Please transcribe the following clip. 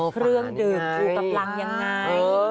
เครื่องดึกอยู่กับรังอย่างไร